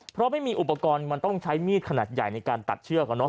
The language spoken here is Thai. เพราะไม่มีอุปกรณ์มันต้องใช้มีดขนาดใหญ่ในการตัดเชือกอะเนาะ